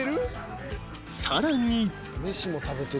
［さらに］